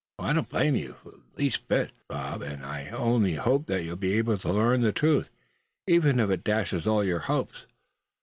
I don't blame you the least bit, Bob. And I only hope that you'll be able to learn the truth, even if it dashes all your hopes.